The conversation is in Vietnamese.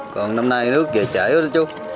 còn năm nay nước về trễ hết rồi chú